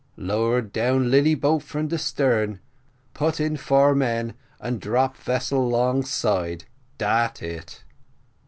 Lower down lilly boat from stern, put in four men, and drop vessel 'longside dat it."